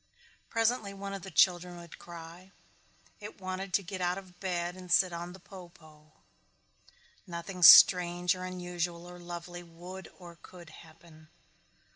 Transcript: Presently one of the children would cry. It wanted to get out of bed and sit on the po po. Nothing strange or unusual or lovely would or could happen.